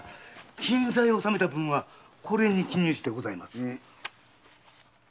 金座へ納めた分はこれに記入してございます。